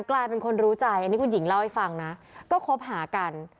กลายเป็นคนรู้ใจอันนี้คุณหญิงเล่าให้ฟังนะก็คบหากัน